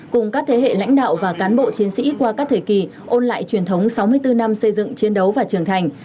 cùng các thế hệ lãnh đạo và cán bộ chiến sĩ qua các thời kỳ ôn lại truyền thống sáu mươi bốn năm xây dựng chiến đấu và trưởng thành